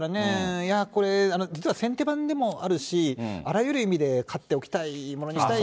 いやー、これ、実は先手盤でもあるし、あらゆる意味で勝っておきたい、ものにしたい。